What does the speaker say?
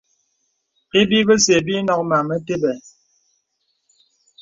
Ibi bəsə̀ bə ǐ nɔk màm mətè bə̀.